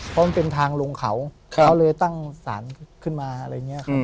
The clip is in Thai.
เพราะมันเป็นทางลงเขาเขาเลยตั้งสารขึ้นมาอะไรอย่างนี้ครับ